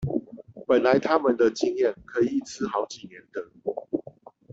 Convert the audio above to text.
本來他們的經驗可以一吃好幾年的